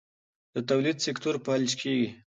د تولید سکتور فلج کېږي.